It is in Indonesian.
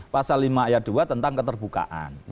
pasal lima ayat dua tentang keterbukaan